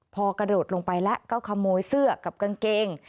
พอกระโดดลงไปแล้วก็ขโมยเสื้อกับกางเกง